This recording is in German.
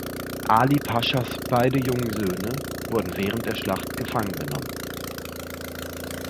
Ali Paschas beide jungen Söhne wurden während der Schlacht gefangen genommen.